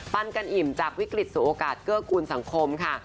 กันอิ่มจากวิกฤตสู่โอกาสเกื้อกูลสังคมค่ะ